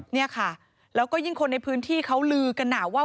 เนี่ยค่ะแล้วก็ยิ่งคนในพื้นที่เขาลือกันว่า